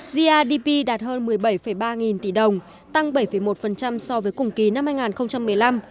grdp đạt hơn một mươi bảy ba nghìn tỷ đồng tăng bảy một so với cùng kỳ năm hai nghìn một mươi năm